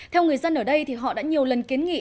theo người dân ở đây thì họ đã nhiều lần kiến nghị